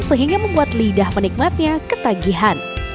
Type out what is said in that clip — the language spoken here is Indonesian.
sehingga membuat lidah penikmatnya ketagihan